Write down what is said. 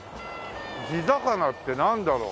地魚ってなんだろう？